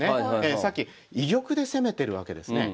さっき居玉で攻めてるわけですね。